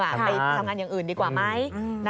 ไปทำงานอย่างอื่นดีกว่าไหม